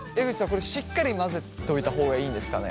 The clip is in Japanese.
これしっかり混ぜといた方がいいんですかね？